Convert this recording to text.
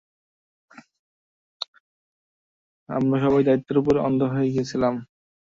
আমরা সবাই, দায়িত্বের উপর অন্ধ হয়ে গিয়েছিলাম।